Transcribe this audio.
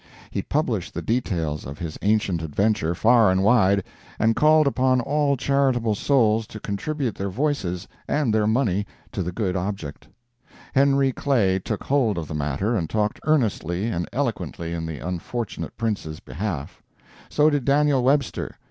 He published the details of his ancient adventure far and wide, and called upon all charitable souls to contribute their voices and their money to the good object. Henry Clay took hold of the matter and talked earnestly and eloquently in the unfortunate Prince's behalf. So did Daniel Webster.